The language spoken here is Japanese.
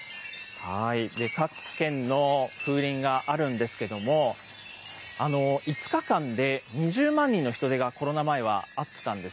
各県の風鈴があるんですけども、５日間で２０万人の人出がコロナ前はあったんです。